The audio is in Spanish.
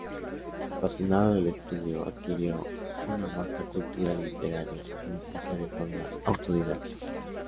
Apasionado del estudio, adquirió una vasta cultura literaria y científica de forma autodidacta.